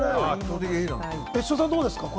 別所さん、どうですか？